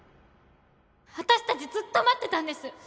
私たちずっと待ってたんです。